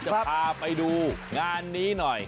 จะพาไปดูงานนี้หน่อย